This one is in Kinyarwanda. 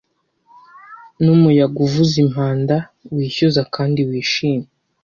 Numuyaga uvuza impanda wishyuza kandi wishimye,